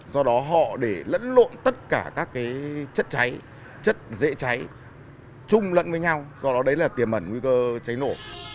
do đó họ để lẫn lộn tất cả các chất cháy chất dễ cháy chung lẫn với nhau do đó đấy là tiềm ẩn nguy cơ cháy nổ